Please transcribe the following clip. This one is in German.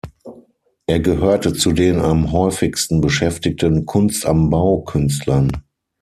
Er gehörte zu den am häufigsten beschäftigten „Kunst-am-Bau-Künstlern“.